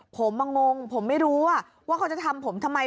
ผมมางงผมไม่รู้ว่าเขาจะทำผมทำไม